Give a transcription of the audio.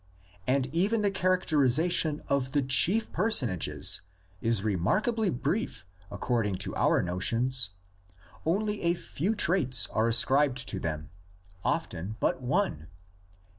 And even the characterisation of the chief person ages is remarkably brief according to our notions. Only a few traits are ascribed to them, often but one.